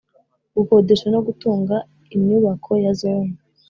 gukodesha no gutunga imyubako ya Zone